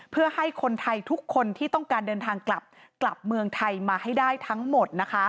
เพื่อให้คนไทยทุกคนที่ต้องการเดินทางกลับกลับเมืองไทยมาให้ได้ทั้งหมดนะคะ